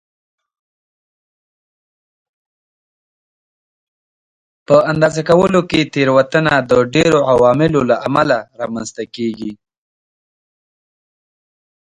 په اندازه کولو کې تېروتنه د ډېرو عواملو له امله رامنځته کېږي.